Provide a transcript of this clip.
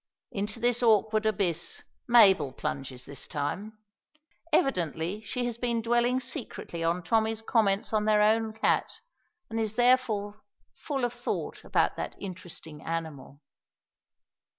Into this awkward abyss Mabel plunges this time. Evidently she has been dwelling secretly on Tommy's comments on their own cat, and is therefore full of thought about that interesting animal.